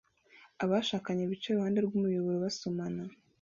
Abashakanye bicaye iruhande rw'umuyoboro basomana